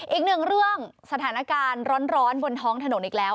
อีกหนึ่งเรื่องสถานการณ์ร้อนบนท้องถนนอีกแล้ว